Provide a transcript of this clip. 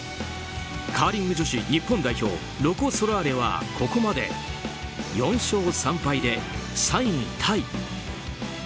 カーリング女子日本代表ロコ・ソラーレはここまで４勝３敗で３位タイ。